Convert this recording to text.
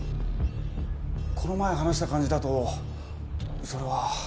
この前話した感じだとそれは。